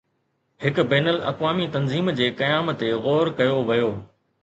هڪ بين الاقوامي تنظيم جي قيام تي غور ڪيو ويو